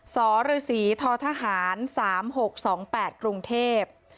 ซฤธ๓๖๒๘กรุงเทพฯ